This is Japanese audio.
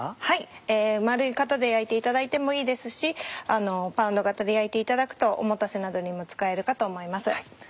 はい丸い型で焼いていただいてもいいですしパウンド型で焼いていただくとおもたせなどにも使えるかと思います。